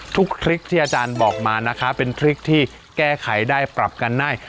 คริกที่อาจารย์บอกมานะคะเป็นทริคที่แก้ไขได้ปรับกันได้